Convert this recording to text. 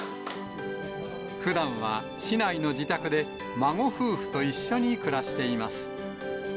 ふだんは市内の自宅で、孫夫婦と一緒に暮らしています。